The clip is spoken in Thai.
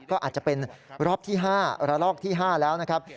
ก็อาจจะเป็นรอบที่๕ระลอกที่๕แล้วนะครับ